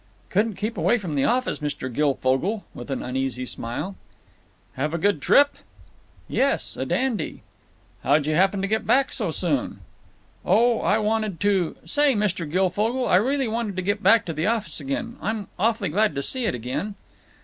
"Couldn't keep away from the office, Mr. Guilfogle," with an uneasy smile. "Have a good trip?" "Yes, a dandy." "How'd you happen to get back so soon?" "Oh, I wanted to—Say, Mr. Guilfogle, I really wanted to get back to the office again. I'm awfully glad to see it again."